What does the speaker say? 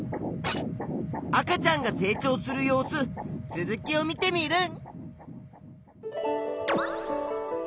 赤ちゃんが成長する様子続きを見テミルン！